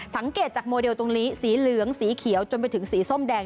สังเกตจากโมเดลตรงนี้สีเหลืองสีเขียวจนไปถึงสีส้มแดง